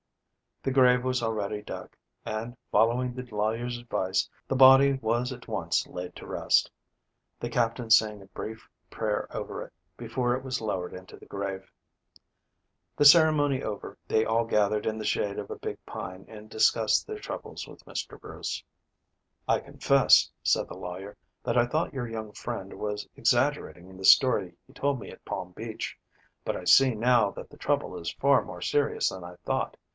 The grave was already dug and, following the lawyer's advice, the body was at once laid to rest, the Captain saying a brief prayer over it before it was lowered into the grave. The ceremony over, they all gathered in the shade of a big pine and discussed their troubles with Mr. Bruce. "I confess," said the lawyer, "that I thought your young friend was exaggerating in the story he told me at Palm Beach, but I see now that the trouble is far more serious than I thought.